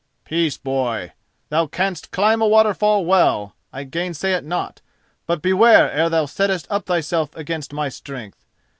"Peace, boy! Thou canst climb a waterfall well, I gainsay it not; but beware ere thou settest up thyself against my strength.